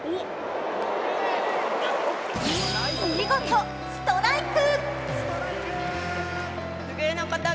見事、ストライク。